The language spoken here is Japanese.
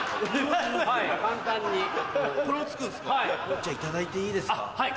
じゃあいただいていいですか？